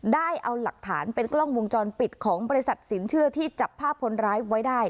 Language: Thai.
ได้เอาหลักฐานเป็นกล้องวงจรปิดของบริษัทสินเชื่อที่จับภาพคนร้ายไว้ได้